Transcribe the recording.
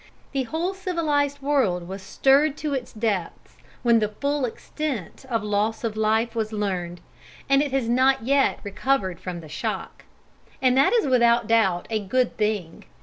The whole civilized world was stirred to its depths when the full extent of loss of life was learned, and it has not yet recovered from the shock. And that is without doubt a good thing.